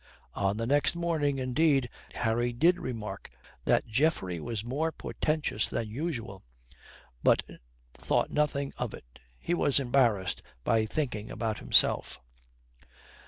On the next morning, indeed, Harry did remark that Geoffrey was more portentous than usual, but thought nothing of it. He was embarrassed by thinking about himself.